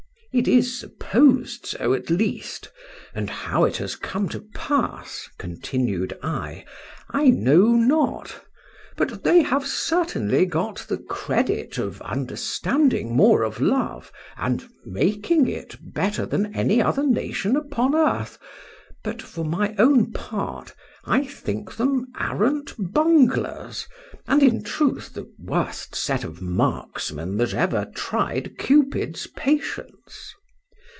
It is supposed so at least;—and how it has come to pass, continued I, I know not; but they have certainly got the credit of understanding more of love, and making it better than any other nation upon earth; but, for my own part, I think them arrant bunglers, and in truth the worst set of marksmen that ever tried Cupid's patience.